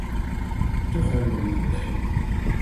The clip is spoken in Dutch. Toch hebben we een probleem.